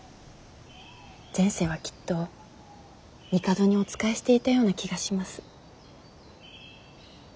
前世はきっと帝にお仕えしていたような気がします。